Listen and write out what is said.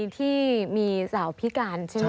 ที่มีสาวพิการใช่ไหม